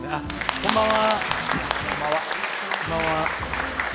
こんばんは。